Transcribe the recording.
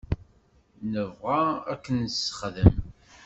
Nebɣa ad k-nessexdem.